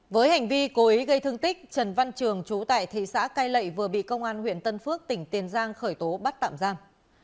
với hành vi cố ý gây thương tích trần văn trường chú tại thị xã cai lệ vừa bị công an huyện tân phước tỉnh tiền giang khởi tố bắt tạm giam